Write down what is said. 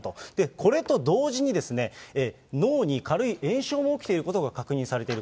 これと同時に、脳に軽い炎症が起きていることが確認されている。